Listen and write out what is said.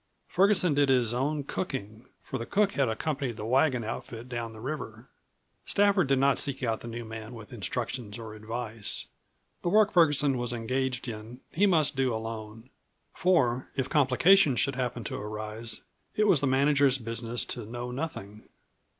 Ferguson did his own cooking, for the cook had accompanied the wagon outfit down the river. Stafford did not seek out the new man with instructions or advice; the work Ferguson was engaged in he must do alone, for if complications should happen to arise it was the manager's business to know nothing.